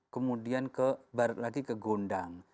kemudian ke barat lagi ke gondang